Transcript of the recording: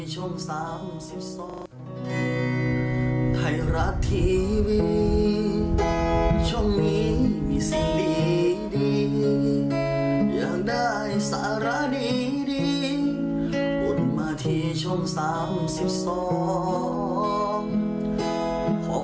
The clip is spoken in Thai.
เชิดไว้ชิดสูงร้องนะคะใช่ไหมครับ